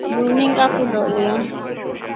Linu ngakuloleya.